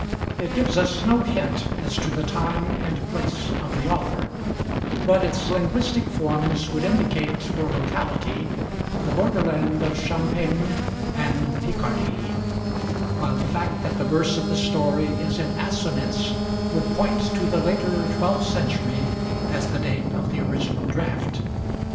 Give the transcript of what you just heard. It gives us no hint as to the time and place of the author, but its linguistic forms would indicate for locality the borderland of Champagne and Picardy, while the fact that the verse of the story is in assonance would point to the later twelfth century as the date of the original draft.